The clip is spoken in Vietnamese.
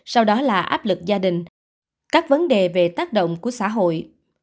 sau đó là áp lực gia đình các vấn đề về tác động của xã hội